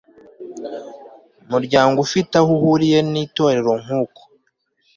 muryango ufite aho uhuriye n itorero nkuko